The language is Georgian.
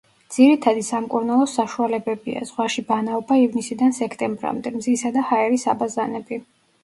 ძირითადი სამკურნალო საშუალებებია: ზღვაში ბანაობა ივნისიდან სექტემბრამდე, მზისა და ჰაერის აბაზანები.